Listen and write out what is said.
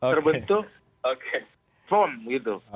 terbentuk form gitu